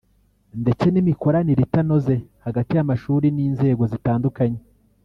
ndetse n’imikoranire itanoze hagati y’amashuri n’inzego zitandukanye